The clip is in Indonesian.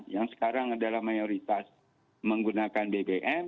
yang sekarang adalah mayoritas menggunakan bbm